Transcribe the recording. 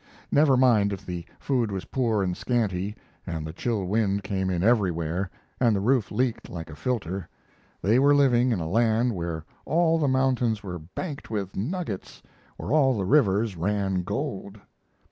Never mind if the food was poor and scanty, and the chill wind came in everywhere, and the roof leaked like a filter; they were living in a land where all the mountains were banked with nuggets, where all the rivers ran gold.